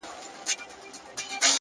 هره ورځ د ذهن د بیا تنظیم فرصت دی’